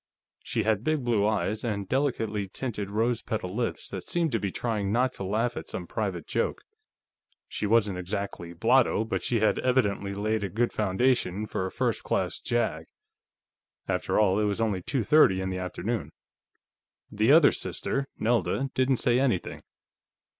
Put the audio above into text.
She had big blue eyes, and delicately tinted rose petal lips that seemed to be trying not to laugh at some private joke. She wasn't exactly blotto, but she had evidently laid a good foundation for a first class jag. After all, it was only two thirty in the afternoon. The other sister Nelda didn't say anything.